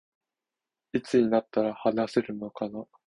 いつになったら話せるのかな